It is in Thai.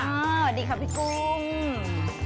สวัสดีค่ะพี่กุ้ง